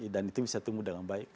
itu bisa tumbuh dengan baik